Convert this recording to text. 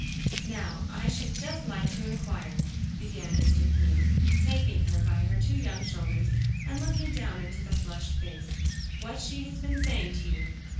"Now, I should just like to inquire," began Mr. King, taking her by her two young shoulders and looking down into the flushed face, "what she has been saying to you."